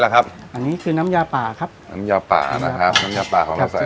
อันนี้คือน้ำยาป่าครับน้ำยาป่านะครับน้ำยาป่าของเราใส่